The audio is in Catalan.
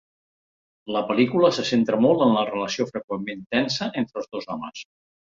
La pel·lícula se centra molt en la relació freqüentment tensa entre els dos homes.